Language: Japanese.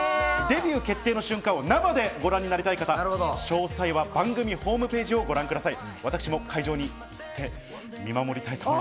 デビュー決定の瞬間を生でご覧になりたい方、詳細は番組ホームページをご覧ください。